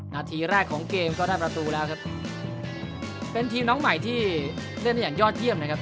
นาทีแรกของเกมก็ได้ประตูแล้วครับเป็นทีมน้องใหม่ที่เล่นได้อย่างยอดเยี่ยมนะครับ